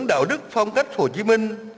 đạo đức phong cách hồ chí minh